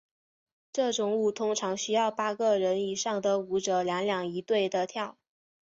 这种舞通常需要八个人以上的舞者两两一对地跳。